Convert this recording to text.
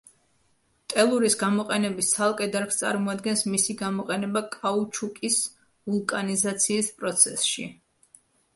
ტელურის გამოყენების ცალკე დარგს წარმოადგენს მისი გამოყენება კაუჩუკის ვულკანიზაციის პროცესში.